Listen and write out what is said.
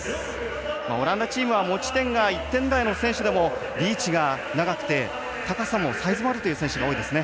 オランダチームは持ち点代が１点台の選手でもリーチが長くて高さもサイズもあるという選手が多いですね。